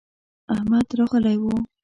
احمد راغلی و.